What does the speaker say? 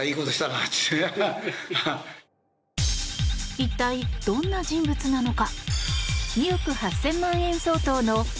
一体どんな人物なのか。